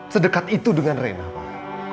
sedekat itu dengan rena pak